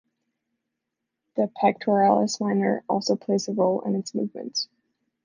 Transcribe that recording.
The pectoralis minor also plays a role in its movements.